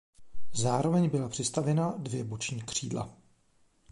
Zároveň byla přistavěna dvě boční křídla.